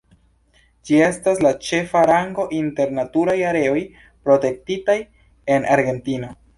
Ĝi estas la ĉefa rango inter Naturaj areoj protektitaj en Argentino.